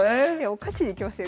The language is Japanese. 勝ちにいきますよ